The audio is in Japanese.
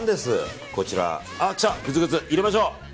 グツグツ入れましょう。